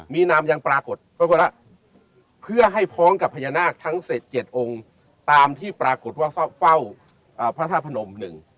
มีนามยังปรากฏปรากฏว่าเพื่อให้พร้อมกับพญานาคทั้ง๗๗องค์ตามที่ปรากฏว่าเฝ้าพระธาตุพนมหนึ่ง